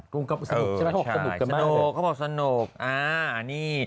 กรงกรรมสนุกใช่ไหมเขาบอกสนุกกันมากเลย